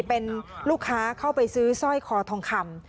เป็นลูกค้าเข้าไปซื้อสร้อยคอทองคำ